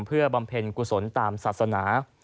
เพื่อบำเพ็ญกุศลตามศาสนา